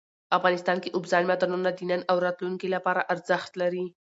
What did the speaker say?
افغانستان کې اوبزین معدنونه د نن او راتلونکي لپاره ارزښت لري.